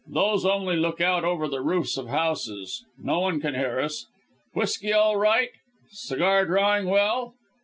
"Those only look out over the roofs of houses. No one can hear us. Whisky all right; cigar drawing well?